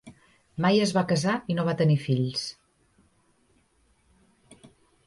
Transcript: Mai es va casar i no va tenir fills.